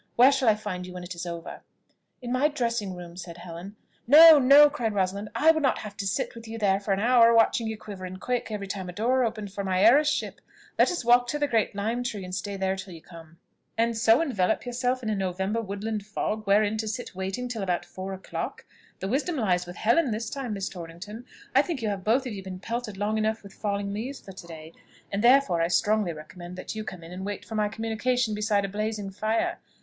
Where shall I find you when it is over?" "In my dressing room," said Helen. "No, no," cried Rosalind; "I would not have to sit with you there for an hour, watching you quiver and quake every time a door opened, for my heiresship. Let us walk to the great lime tree, and stay there till you come." "And so envelop yourselves in a November woodland fog, wherein to sit waiting till about four o'clock! The wisdom lies with Helen this time, Miss Torrington; I think you have both of you been pelted long enough with falling leaves for to day, and therefore I strongly recommend that you come in and wait for my communication beside a blazing fire.